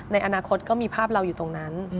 ในอนาคตก็มีภาพเราอยู่ตรงนั้น